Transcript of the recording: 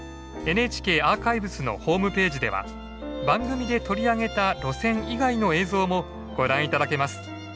ＮＨＫアーカイブスのホームページでは番組で取り上げた路線以外の映像もご覧頂けます。